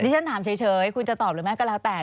ฉันถามเฉยคุณจะตอบหรือไม่ก็แล้วแต่